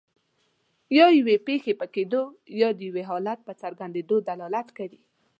یا یوې پېښې په کیدو یا د یو حالت په راڅرګندیدو دلالت کوي.